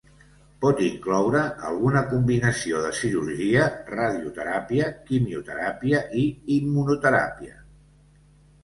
Pot incloure alguna combinació de cirurgia, radioteràpia, quimioteràpia i immunoteràpia.